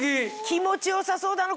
気持ち良さそうだな